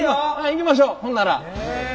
行きましょうほんなら。